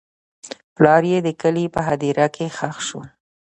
پلار یې د کلي په هدیره کې ښخ شو.